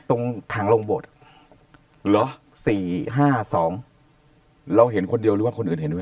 ตรงถังลงโบสถเหรอสี่ห้าสองเราเห็นคนเดียวหรือว่าคนอื่นเห็นไหม